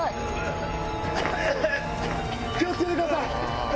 気を付けてください！